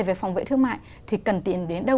về phòng vệ thương mại thì cần tìm đến đâu